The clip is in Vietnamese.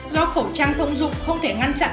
do khẩu trang thông dụng không thể ngăn chặn